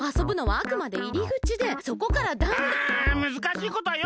はい。